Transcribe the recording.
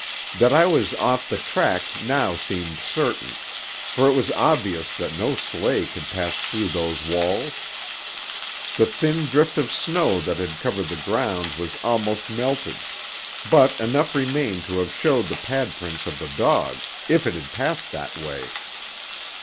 That I was off the track now seemed certain, for it was obvious that no sleigh could pass through those walls. The thin drift of snow that had covered the ground was almost melted, but enough remained to have showed the pad prints of the dog, if it had passed that way.